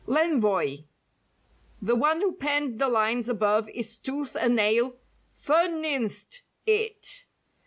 l'ENVOI The one who penned the lines above is tooth and nail "ferninst" it.